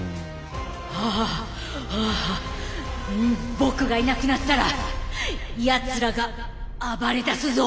はあはあ僕がいなくなったらやつらが暴れだすぞ！